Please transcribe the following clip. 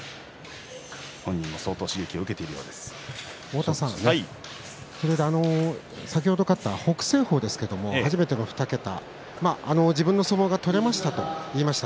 本人も相当先ほど勝った北青鵬ですが初めての２桁、自分の相撲が取れましたと言いました。